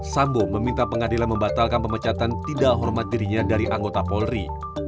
sambo meminta pengadilan membatalkan pemecatan tidak hormat dirinya dari anggota polri